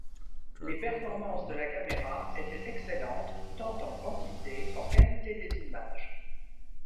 Les performances de la caméra étaient excellentes tant en quantité qu'en qualité des images.